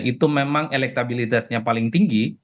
itu memang elektabilitasnya paling tinggi